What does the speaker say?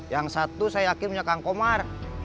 yang satu saya yakin punya kang komar